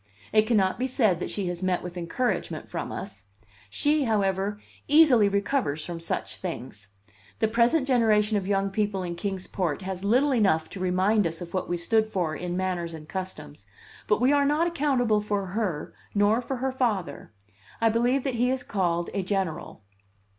It cannot be said that she has met with encouragement from us; she, however, easily recovers from such things. The present generation of young people in Kings Port has little enough to remind us of what we stood for in manners and customs, but we are not accountable for her, nor for her father. I believe that he is called a general.